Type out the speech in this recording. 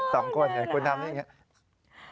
สองคนคุณทำอย่างนี้